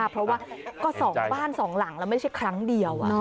เพราะว่าก็๒บ้าน๒หลังแล้วไม่ใช่ครั้งเดียว